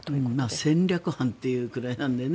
戦略班というくらいなのでね。